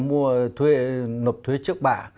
mua thuê nộp thuê trước bạ